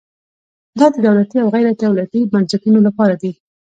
دا د دولتي او غیر دولتي بنسټونو لپاره دی.